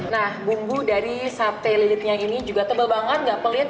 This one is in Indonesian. nah bumbu dari sate lilitnya ini juga tebal banget gak pelit